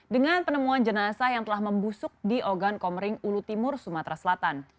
dengan penemuan jenazah yang telah membusuk di ogan komering ulu timur sumatera selatan